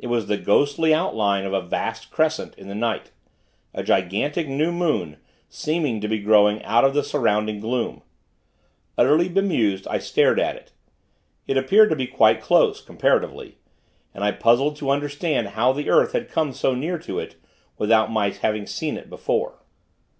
It was the ghostly outline of a vast crescent, in the night; a gigantic new moon, seeming to be growing out of the surrounding gloom. Utterly bemused, I stared at it. It appeared to be quite close comparatively; and I puzzled to understand how the earth had come so near to it, without my having seen it before.